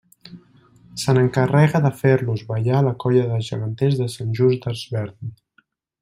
Se n'encarrega de fer-los ballar la Colla de Geganters de Sant Just Desvern.